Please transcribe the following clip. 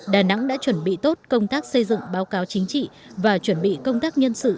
đà nẵng đã chuẩn bị tốt công tác xây dựng báo cáo chính trị và chuẩn bị công tác nhân sự